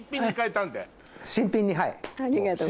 新品にはい。